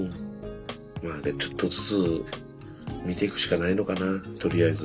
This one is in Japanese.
まあねちょっとずつ見ていくしかないのかなとりあえず。